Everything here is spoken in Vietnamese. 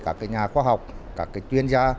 các nhà khoa học các chuyên gia